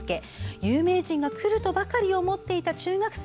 有名人が来るとばかり思っていた中学生。